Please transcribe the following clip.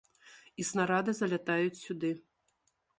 І снарады залятаюць сюды.